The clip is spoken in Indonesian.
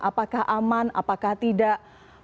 apakah aman apakah tidak